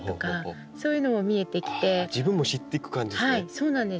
そうなんですよ。